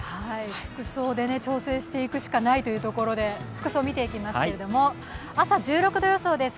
複数で調整していくしかないというところで服装見ていきますが服装を見ていきますが、朝１６度予想です。